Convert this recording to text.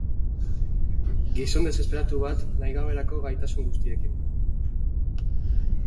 Gizon desesperatu bat, nahigaberako gaitasun guztiekin.